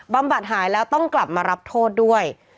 บำบัดหายแล้วต้องกลับมารับโทษด้วย